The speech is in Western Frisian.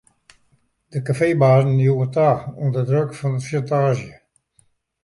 De kafeebazen joegen ta ûnder druk fan sjantaazje.